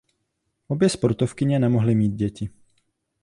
Obě sportovkyně nemohly mít děti.